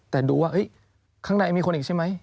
แต่ดูว่าข้างในมีคนอีกใช่ไหม